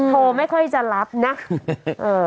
ไม่ค่อยจะรับนะ